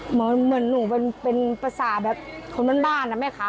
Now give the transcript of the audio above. เหมือนหนูเป็นภาษาแบบคนบ้านนะแม่ค้า